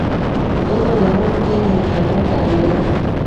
kutoka nairobi kenya ni amboka andere